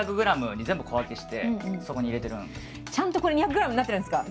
ちゃんとこれ２００グラムになってるんですか？